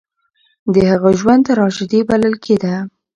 د هغه ژوند تراژيدي بلل کېږي.